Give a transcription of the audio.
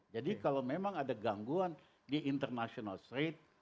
jadi kalau memang ada gangguan di international trade